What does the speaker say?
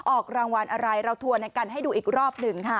ออกรางวัลอะไรเราทัวร์กันให้ดูอีกรอบหนึ่งค่ะ